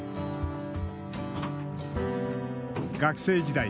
学生時代